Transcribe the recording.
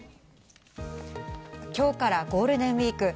今日からゴールデンウイーク。